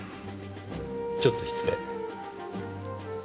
ちょっと失礼。